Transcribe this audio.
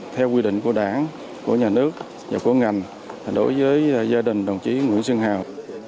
theo quy định của đảng của nhà nước và của ngành đối với gia đình đồng chí nguyễn xuân hào